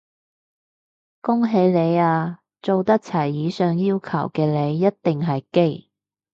恭喜你啊，做得齊以上要求嘅你一定係基！